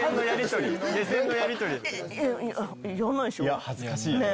いや恥ずかしいね。